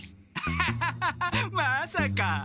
ハハハハまさか！